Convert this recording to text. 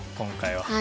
はい。